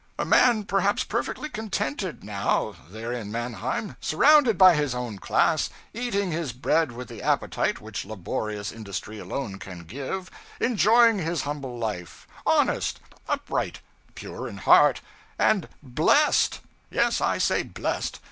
'A man perhaps perfectly contented now, there in Mannheim, surrounded by his own class, eating his bread with the appetite which laborious industry alone can give, enjoying his humble life, honest, upright, pure in heart; and blest! yes, I say blest!